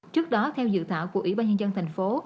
trước đó theo dự thảo của ủy ban nhân dân thành phố